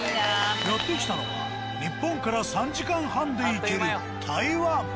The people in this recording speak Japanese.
やって来たのは日本から３時間半で行ける台湾。